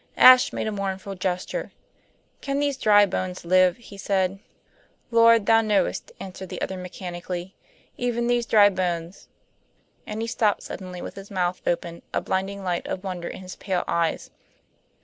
Ashe made a mournful gesture. "Can these dry bones live?" he said. "Lord Thou knowest," answered the other mechanically. "Even these dry bones " And he stopped suddenly with his mouth open, a blinding light of wonder in his pale eyes.